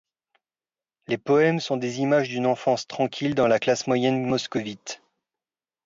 Les poèmes sont des images d'une enfance tranquille dans la classe moyenne moscovite.